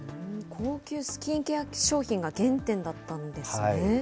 高級スキンケア商品が原点だったんですね。